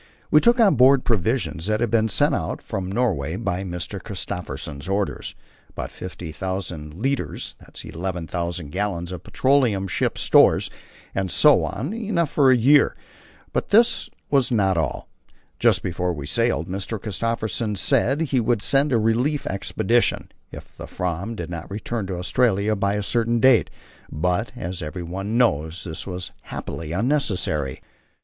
We took on board provisions that had been sent out from Norway by Mr. Christophersen's orders, about 50,000 litres (11,000 gallons) of petroleum, ship's stores, and so on; enough for a year. But this was not all. Just before we sailed Mr. Christophersen said he would send a relief expedition, if the Fram did not return to Australia by a certain date; but, as everyone knows, this was happily unnecessary.